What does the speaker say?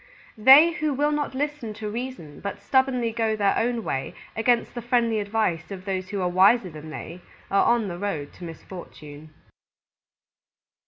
_They who will not listen to reason but stubbornly go their own way against the friendly advice of those who are wiser than they, are on the road to misfortune.